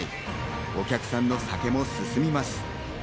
お客さんの酒も進みます。